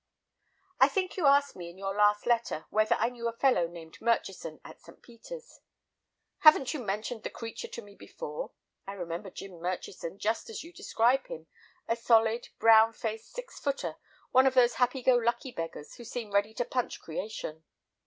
"I think you asked me in your last letter whether I knew a fellow named Murchison at St. Peter's. Haven't you mentioned 'the creature' to me before? I remember Jim Murchison just as you describe him, a solid, brown faced six footer, one of those happy go lucky beggars who seem ready to punch creation.